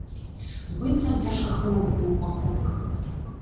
Быццам цяжкахворы быў у пакоях.